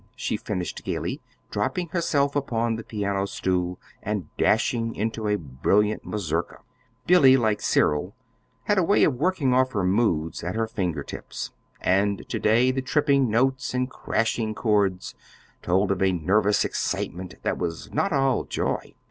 she finished gaily, dropping herself upon the piano stool and dashing into a brilliant mazourka. Billy, like Cyril, had a way of working off her moods at her finger tips; and to day the tripping notes and crashing chords told of a nervous excitement that was not all joy.